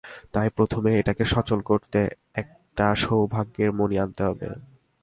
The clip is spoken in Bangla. তাই প্রথমে, এটাকে সচল করতে একটা সৌভাগ্যের মণি আনতে হবে।